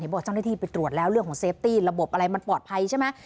บอกเจ้าหน้าที่ไปตรวจแล้วเรื่องของเซฟตี้ระบบอะไรมันปลอดภัยใช่ไหม